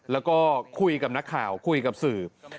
แล้วก็คุยกับนักข่าวคุยกับสื่อ